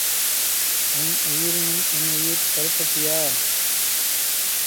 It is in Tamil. உன் உயிரினும் என் உயிர் கருப்பட்டியா?